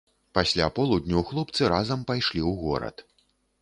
Пасля полудню хлопцы разам пайшлі ў горад.